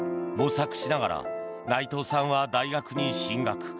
模索しながら内藤さんは大学に進学。